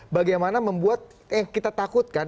bagaimana membuat eh kita takut kan